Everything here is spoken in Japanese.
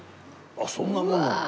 あっそんなもんなんだ。